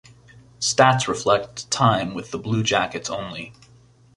Stats reflect time with the Blue Jackets only.